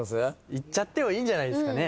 いっちゃってもいいんじゃないですかね？